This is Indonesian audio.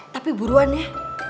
tapi buruan ya